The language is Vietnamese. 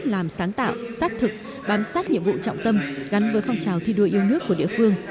làm sáng tạo xác thực bám sát nhiệm vụ trọng tâm gắn với phong trào thi đua yêu nước của địa phương